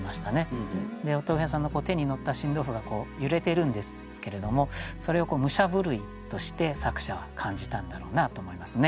でお豆腐屋さんの手にのった新豆腐が揺れてるんですけれどもそれを武者震いとして作者は感じたんだろうなと思いますね。